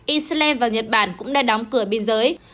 iceland và nhật bản cũng đã đóng cửa biên giới